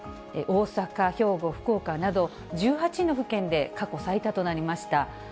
大阪、兵庫、福岡など１８の府県で過去最多となりました。